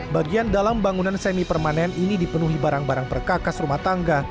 bagian dalam bangunan semi permanen ini dipenuhi barang barang perkakas rumah tangga